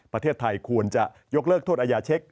ประเทศไทยควรจะยกเลิกโทษอาญาเช็ค